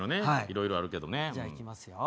色々あるけどねじゃあいきますよ